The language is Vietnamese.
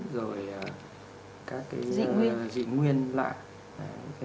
rồi các cái dị nguyên lại